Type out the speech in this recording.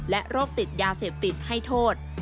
โรคติดยาเสพติดให้โทษ